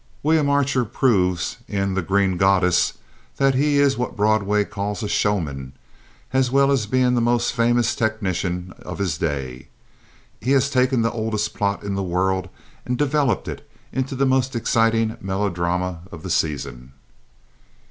William Archer proves in The Green Goddess that he is what Broadway calls a showman, as well as being the most famous technician of his day. He has taken the oldest plot in the world and developed it into the most exciting melodrama of the season.